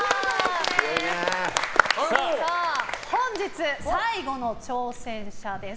本日、最後の挑戦者です。